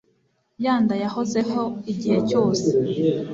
yanda yahozeho igihe cyose